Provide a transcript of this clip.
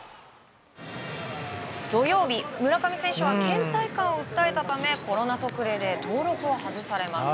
土曜日、村上選手は倦怠感を訴えたためコロナ特例で登録を外されます。